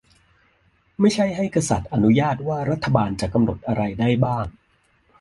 ไม่ใช่ให้กษัตริย์อนุญาตว่ารัฐบาลจะกำหนดอะไรได้บ้าง